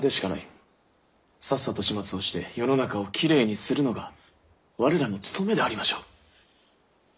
さっさと始末をして世の中をきれいにするのが我らの勤めでありましょう。